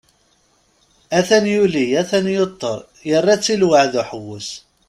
At-an yuli, atan yuṭer, yerra-tt i lweεd uḥewwes.